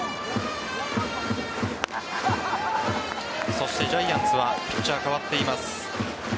そしてジャイアンツはピッチャー代わっています。